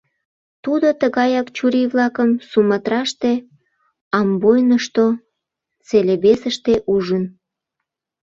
Тудо тыгаяк чурий-влакым Суматраште, Амбойнышто, Целебесыште ужын.